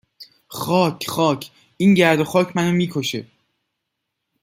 خاک خاک این گرد و خاک من رو میکشه